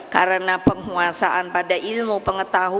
karena penguasaan pada ilmu pengetahuan